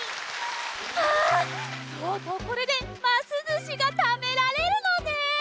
あとうとうこれでますずしがたべられるのね！